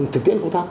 thực hiện công tác